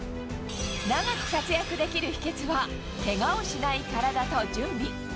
長く活躍できる秘けつは、けがをしない体と準備。